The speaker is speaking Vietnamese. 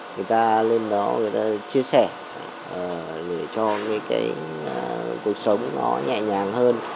người ta lên đó người ta chia sẻ để cho cái cuộc sống nó nhẹ nhàng hơn